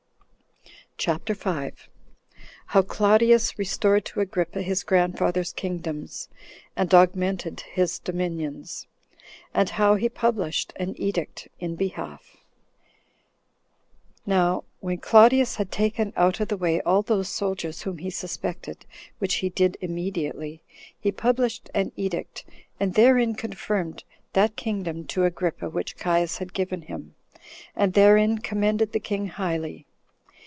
CHAPTER 5. How Claudius Restored To Agrippa His Grandfathers Kingdoms And Augmented His Dominions; And How He Published An Edict In Behalf. 1. Now when Claudius had taken out of the way all those soldiers whom he suspected, which he did immediately, he published an edict, and therein confirmed that kingdom to Agrippa which Caius had given him, and therein commended the king highly.